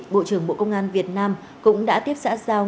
bộ trưởng bộ công an việt nam cũng đã tiếp xã giao